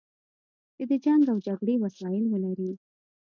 چې د جنګ او جګړې وسایل ولري.